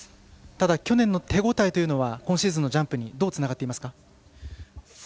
ただ、去年の手応えというのは今シーズンのジャンプにどうつながっていますか？